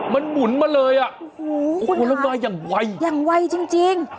มันหมุนมาเลยอ่ะอู้คุณฮาสอย่างไวอย่างไวจริง